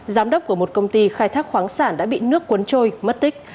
giám đốc của một công ty khai thác khoáng sản đã bị nước cuốn trôi mất tích